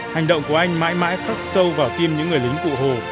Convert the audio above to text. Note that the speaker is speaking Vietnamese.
hành động của anh mãi mãi khắc sâu vào tim những người lính cụ hồ